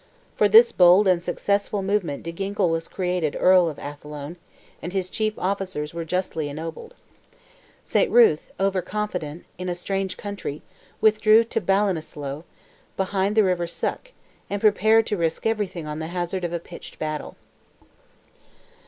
For this bold and successful movement De Ginkle was created Earl of Athlone, and his chief officers were justly ennobled. Saint Ruth, over confident, in a strange country, withdrew to Ballinasloe, behind the river Suck, and prepared to risk everything on the hazard of a pitched battle.